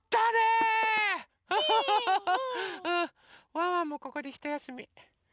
ワンワンもここでひとやすみ。